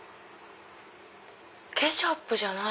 ケチャップじゃない！